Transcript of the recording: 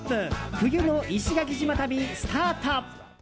冬の石垣島旅スタート。